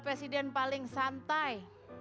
presiden paling santai